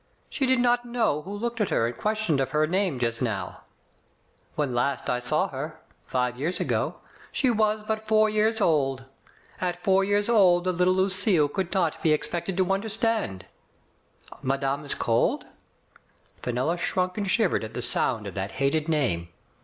She did not know who looked at her and questioned of her name just now. When last I saw her (five years ago), she was but four years old, At four years Digitized by Google 236 THE FATE OF FENLLLA, old the little Lucille could not be expected to understand — madame is cold?*' Fenella shrunk and shivered at the sound of that hated name.